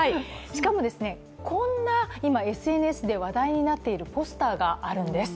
しかも、こんなＳＮＳで話題になっているポスターがあるんです。